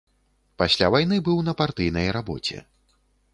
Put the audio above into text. Пасля вайны быў на партыйнай рабоце.